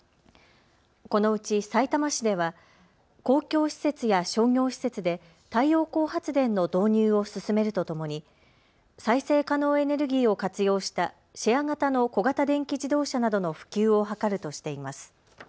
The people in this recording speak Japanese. このうち、さいたま市では公共施設や商業施設で太陽光発電の導入を進めるとともに再生可能エネルギーを活用したシェア型の小型電気自動車などの普及を図るとしています。